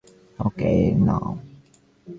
ওকে, না।